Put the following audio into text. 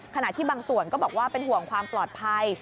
ขณะที่บางส่วนก็บอกว่าเป็นห่วงความปลอดภัย